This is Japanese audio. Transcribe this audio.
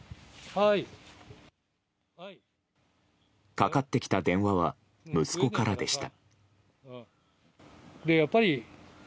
かかってきた電話は息子からでした。